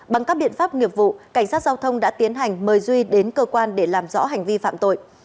bằng các biện pháp nghiệp vụ cảnh sát giao thông đã tiến hành mời duy đến cơ quan để làm rõ hành vi phạm tội